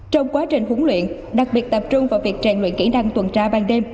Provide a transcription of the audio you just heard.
trong quá trình huấn luyện đặc biệt tập trung vào việc trang luyện kỹ năng tuần tra ban đêm